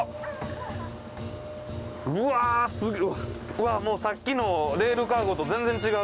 うわもうさっきのレールカーゴと全然違う。